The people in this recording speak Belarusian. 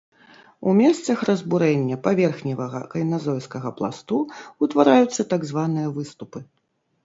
У месцах разбурэння паверхневага кайназойскага пласту ўтвараюцца так званыя выступы.